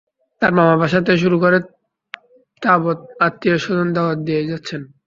তার মামার বাসা থেকে শুরু করে তাবৎ আত্মীয়স্বজন দাওয়াত দিয়েই যাচ্ছেন।